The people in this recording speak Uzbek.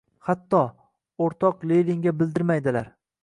Hatto... o‘rtoq Leninga bildirmaydilar.